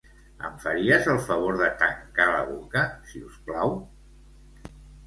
Em faries el favor de tancar la boca, si us plau?